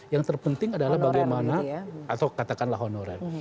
yang terpenting adalah bagaimana atau katakanlah honorer